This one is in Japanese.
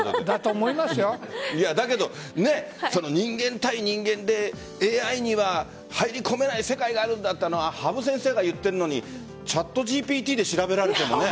だけど、人間対人間でＡＩには入り込めない世界があるんだっていうのを羽生先生が言っているのにＣｈａｔＧＰＴで調べられてもね。